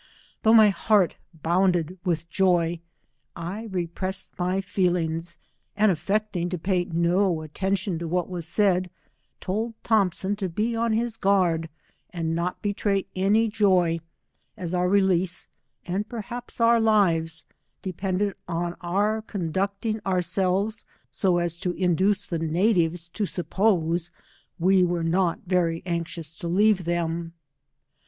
Though my heart bounded with joy, I repressed my feelings, andaflFecting to pay no attention to what was said, told Thompson to be on his guard, and not betray any joy, as our release, and perhaps our lives, depended on our conducting ourselves so as to in duce the natives to suppose we were not very anxious to leave them.